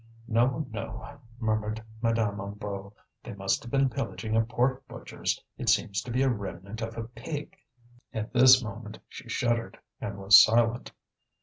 "No, no," murmured Madame Hennebeau, "they must have been pillaging a pork butcher's, it seems to be a remnant of a pig." At this moment she shuddered and was silent.